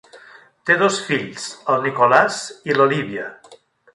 Té dos fills, el Nicholas i l'Olivia.